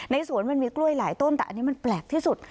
สวนมันมีกล้วยหลายต้นแต่อันนี้มันแปลกที่สุด